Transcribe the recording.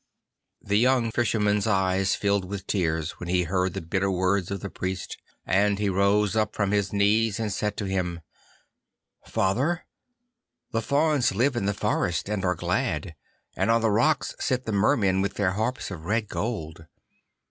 The young Fisherman's eyes filled with tears when he heard the bitter words of the Priest, and he rose up from his knees and said to him, 'Father, the Fauns live in the forest and are glad, and on the rocks sit the Mermen with their harps of red gold.